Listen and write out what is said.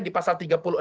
di pasal tiga puluh enam